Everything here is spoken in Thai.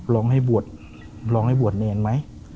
โรงให้บวชเนียนไหม